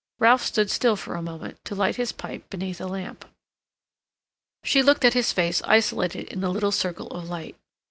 Ralph stood still for a moment to light his pipe beneath a lamp. She looked at his face isolated in the little circle of light.